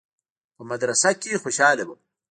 په مدرسه کښې خوشاله وم.